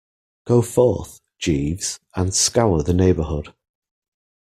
Go forth, Jeeves, and scour the neighbourhood.